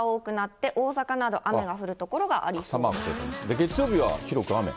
月曜日は広く雨？